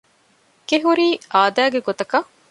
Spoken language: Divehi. ގެ ހުރީ އާދައިގެ ގޮތަކަށް